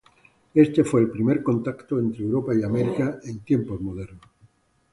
Este fue el primer contacto entre Europa y América en tiempos modernos.